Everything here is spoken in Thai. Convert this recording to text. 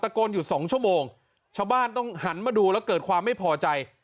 โกนอยู่สองชั่วโมงชาวบ้านต้องหันมาดูแล้วเกิดความไม่พอใจ